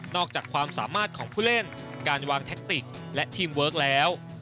อกจากความสามารถของผู้เล่นการวางแท็กติกและทีมเวิร์คแล้ว